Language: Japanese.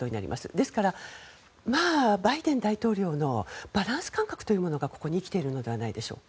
ですから、バイデン大統領のバランス感覚というものがここに生きているのではないでしょうか。